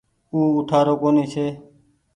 او اُٺآرو ڪونيٚ ڇي۔